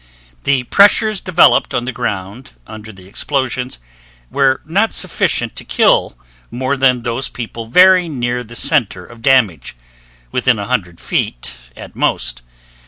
The pressures developed on the ground under the explosions were not sufficient to kill more than those people very near the center of damage (within a few hundred feet at most).